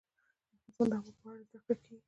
افغانستان کې د هوا په اړه زده کړه کېږي.